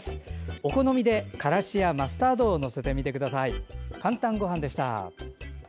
お好みでからしやマスタードを載せてみてください。